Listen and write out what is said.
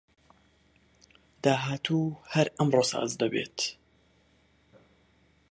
داهاتوو هەر ئەمڕۆ ساز دەبێت